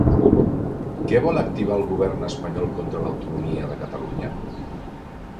Què vol activar el govern espanyol contra l'autonomia de Catalunya?